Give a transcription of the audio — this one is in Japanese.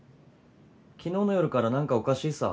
昨日の夜から何かおかしいさ。